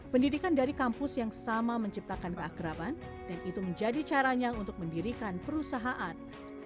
pendidikan dari kampus yang sama menciptakan keakraban dan itu menjadi caranya untuk mendirikan perusahaan